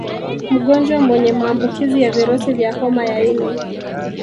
Mgonjwa mwenye maambukizi ya virusi vya homa ya ini